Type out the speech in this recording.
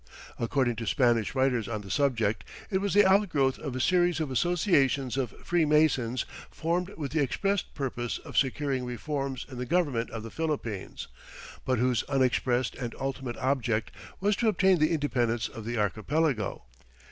According to Spanish writers on the subject, it was the outgrowth of a series of associations of Freemasons formed with the expressed purpose of securing reforms in the government of the Philippines, but whose unexpressed and ultimate object was to obtain the independence of the archipelago.